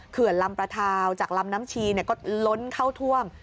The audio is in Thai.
ลำประทาวจากลำน้ำชีก็ล้นเข้าท่วม